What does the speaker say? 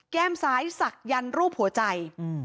แก้มซ้ายศักดันรูปหัวใจ